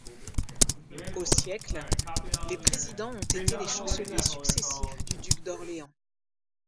Au siècle, les présidents ont été les chanceliers successifs du duc d'Orléans.